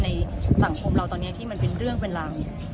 ในสังคมเราตอนนี้ที่มันเป็นเรื่องเป็นราว